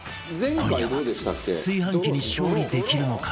今夜は炊飯器に勝利できるのか？